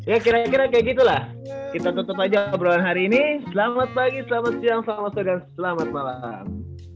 ya kira kira kayak gitu lah kita tutup aja obrolan hari ini selamat pagi selamat siang selamat sore selamat malam